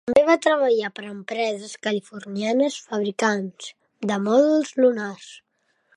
També va treballar per a empreses californianes fabricants de mòduls lunars.